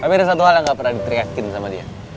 tapi ada satu hal yang gak pernah diteriakin sama dia